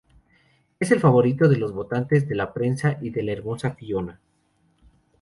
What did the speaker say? Es el favorito de los votantes, de la prensa y de la hermosa Fiona.